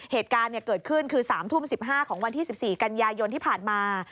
เหตุการณ์เกิดขึ้นคือ๓ทุ่ม๑๕ของวันที่๑๔กันยายนที่ผ่านมา